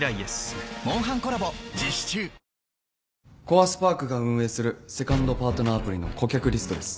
コアスパークが運営するセカンドパートナーアプリの顧客リストです。